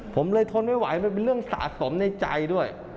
ผมเลยทนไม่ไหวมันเป็นเรื่องสะสมในใจด้วย